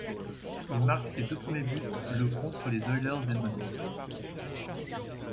Il marque ses deux premiers buts le contre les Oilers d'Edmonton.